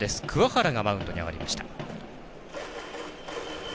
鍬原がマウンドに上がりました。